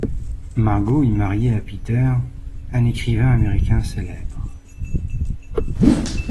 Margaux est mariée à Peter, un écrivain américain célèbre.